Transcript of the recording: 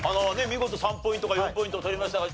見事３ポイントか４ポイント取りましたが。